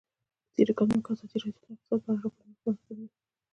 په تېرو کلونو کې ازادي راډیو د اقتصاد په اړه راپورونه خپاره کړي دي.